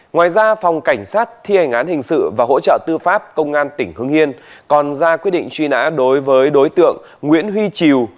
ngoài ra phòng cảnh sát thi hành án hình sự và hỗ trợ tư pháp công an tỉnh hưng yên còn ra quyết định truy nã đối với đối tượng nguyễn huy triều